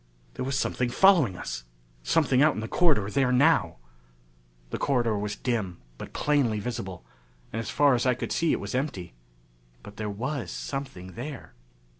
There was something following us! Something out in the corridor there now! The corridor was dim, but plainly visible, and as far as I could see it was empty. But there was something there.